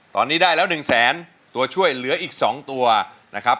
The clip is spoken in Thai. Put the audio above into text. ตอนนี้ได้แล้ว๑แสนตัวช่วยเหลืออีก๒ตัวนะครับ